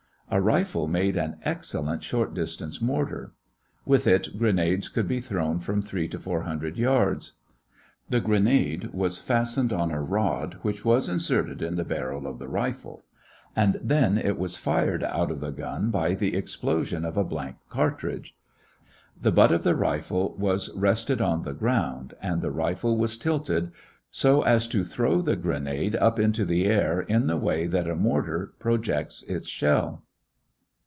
A rifle made an excellent short distance mortar. With it grenades could be thrown from three to four hundred yards. The grenade was fastened on a rod which was inserted in the barrel of the rifle and then it was fired out of the gun by the explosion of a blank cartridge. The butt of the rifle was rested on the ground and the rifle was tilted so as to throw the grenade up into the air in the way that a mortar projects its shell.